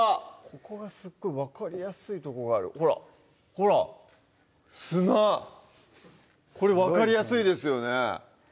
ここがすっごい分かりやすいとこがあるほらほら砂これ分かりやすいですよね